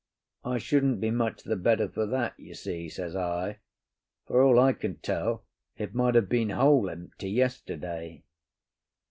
"I shouldn't be much the better for that, you see," says I. "For all I can tell, it might have been whole empty yesterday."